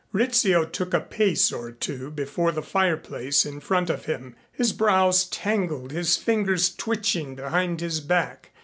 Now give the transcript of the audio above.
Rizzio took a pace or two before the fireplace in front of him, his brows tangled, his fingers twitching behind his back.